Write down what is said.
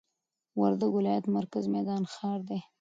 وردګ ولايت مرکز میدان ښار دي